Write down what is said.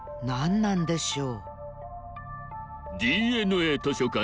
なんでしょう！